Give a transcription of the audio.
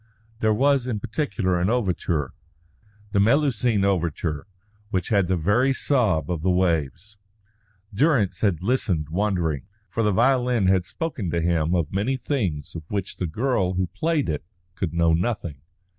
There was in particular an overture the Melusine overture which had the very sob of the waves. Durrance had listened wondering, for the violin had spoken to him of many things of which the girl who played it could know nothing.